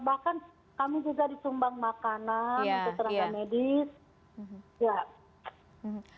bahkan kami juga disumbang makanan untuk tenaga medis